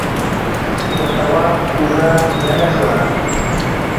د تواب اوږه درنه شوه.